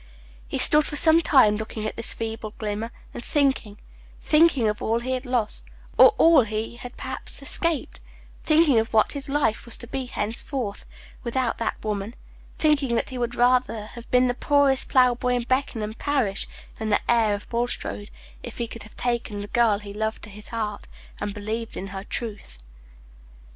He stood for some time looking at this feeble glimmer, and thinking thinking of all he had lost, or all he had perhaps escaped thinking of what his life was to be henceforth without that woman thinking that he would rather have been the poorest ploughboy in Beckenham parish than the heir of Bulstrode, if he could have taken the girl he loved to his heart, and believed in her truth.